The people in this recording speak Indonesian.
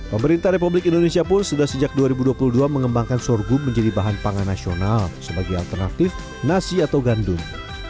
pemerintah republik indonesia pun sudah sejak dua ribu dua puluh dua mengembangkan sorghum menjadi bahan pangan nasional sebagai alternatif nasi atau gandum